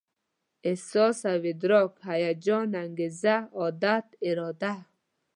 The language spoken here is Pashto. احساس او ادراک، هيجان، انګېزه، عادت، اراده